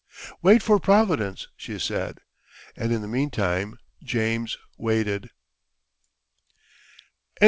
"Wait for Providence," she said; and in the meantime James waited.